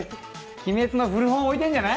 鬼滅の古本置いてるんじゃない？